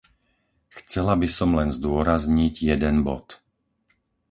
Chcela by som len zdôrazniť jeden bod.